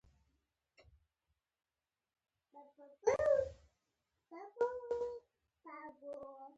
چې یوه فضايي بېړۍ یې چلوله او قومانده یې ورکوله.